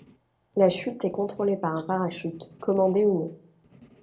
La chute est contrôlée par un parachute, commandé ou non.